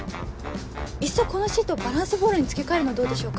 いっそこのシートをバランスボールに付け替えるのどうでしょうか？